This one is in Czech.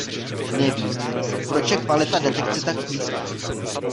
Nevím, proč je kvalita detekce tak nízká.